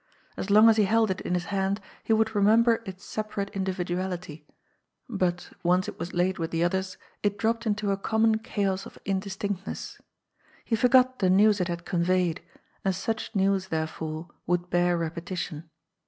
As long as he held it in 222 GOD'S FOOL. his hand, he would remember its separate indiyiduality, but, once it was laid with the others, it dropped into a common chaos of indistinctness. He forgot the news it had conveyed, and such news, therefore, would bear repetition.